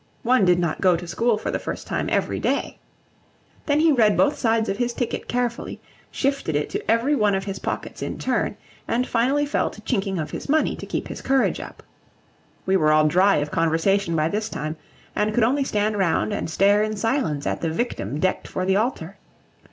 One did not go to school for the first time every day! Then he read both sides of his ticket carefully; shifted it to every one of his pockets in turn; and finally fell to chinking of his money, to keep his courage up. We were all dry of conversation by this time, and could only stand round and stare in silence at the victim decked for the altar.